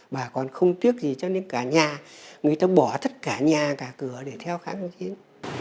bà còn không tiếc gì cho nên cả nhà người ta bỏ tất cả nhà cả cửa để theo kháng chiến